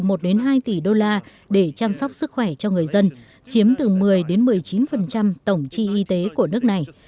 malaysia đã tăng đến hai tỷ đô la để chăm sóc sức khỏe cho người dân chiếm từ một mươi một mươi chín tổng trị y tế của nước này